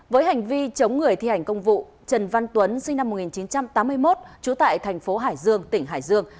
với hành vi chống người thi hành công vụ trần văn tuấn sinh năm một nghìn chín trăm tám mươi một trú tại thành phố hải dương tỉnh hải dương